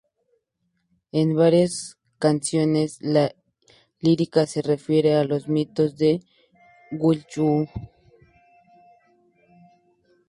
En varias canciones, la lírica se refiere a los mitos de Cthulhu.